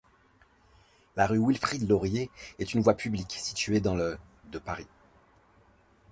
La rue Wilfrid-Laurier est une voie publique située dans le de Paris.